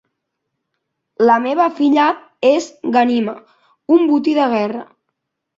La meva filla és Ghanima, un botí de guerra.